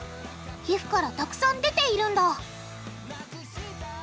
皮膚からたくさん出ているんだ